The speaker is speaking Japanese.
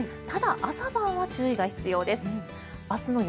ただ、朝晩は注意が必要です。